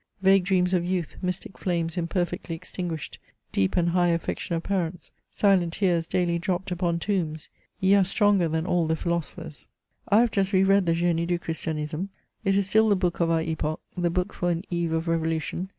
Vague dreams of youth, mystic flames imperfectly extinguished, deep and high affection of parents, silent tears daily dropped upon tombs — ^ye are stronger than all the philosophers I I have just re read the G^ie du Christumsme : it is still the book of our epoch, the book for an eve of revolution.